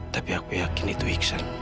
tapi aku yakin itu iksan